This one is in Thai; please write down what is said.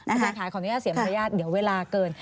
อาจารย์ค่ะขออนุญาตเสียมารยาทเดี๋ยวเวลาเกิน